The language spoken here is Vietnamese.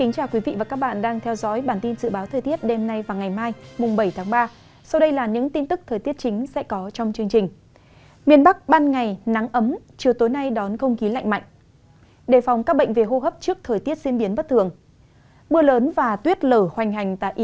các bạn hãy đăng ký kênh để ủng hộ kênh của chúng mình nhé